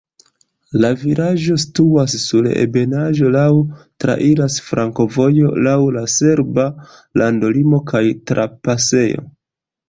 La vilaĝo situas sur ebenaĵo, laŭ traira flankovojo, laŭ la serba landolimo kun trapasejo.